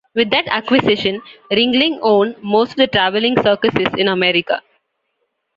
With that acquisition, Ringling owned most of the traveling circuses in America.